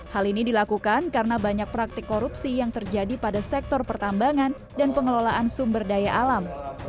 hal ini dilakukan karena banyak praktik korupsi yang terjadi pada sektor pertambangan dan pengelolaan sumber daya alam